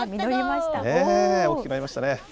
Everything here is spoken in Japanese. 大きくなりましたね。